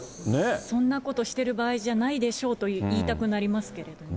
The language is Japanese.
そんなことしてる場合じゃないでしょうと言いたくなりますけ